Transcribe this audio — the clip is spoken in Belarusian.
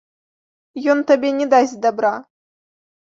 Ён табе не дасць дабра.